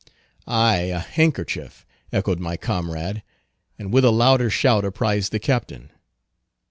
"Ay, a handkerchief!" echoed my comrade, and with a louder shout apprised the captain.